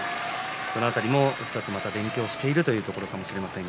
この辺りも１つまた勉強しているということかもしれません。